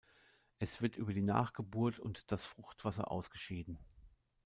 Es wird über die Nachgeburt und das Fruchtwasser ausgeschieden.